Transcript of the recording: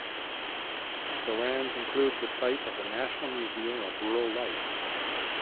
The lands include the site of the National Museum of Rural Life.